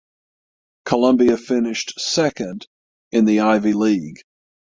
Columbia finished second in the Ivy League.